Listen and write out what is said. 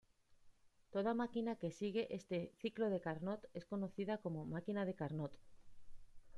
Toda máquina que sigue este "ciclo de Carnot" es conocida como máquina de Carnot.